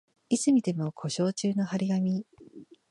いつ見ても故障中の張り紙